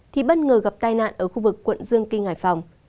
thì bất ngờ gặp tai nạn ở khu vực quận dương kinh hải phòng